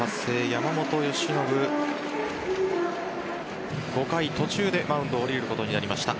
山本由伸５回途中でマウンドを降りることになりました。